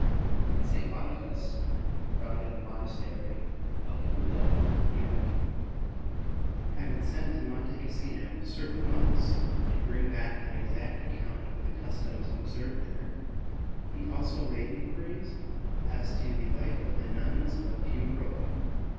When St. Boniface founded the monastery of Fulda in Germany, having sent to Monte Cassino certain monks to bring back an exact account of the customs ob served there, he also made enquiries as to the life of the nuns of Piumarola.